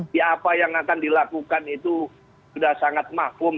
ya apa yang akan dilakukan itu sudah sangat makmum